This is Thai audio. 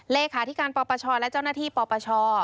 เลขาธิการปปชและเจ้าหน้าที่ปปช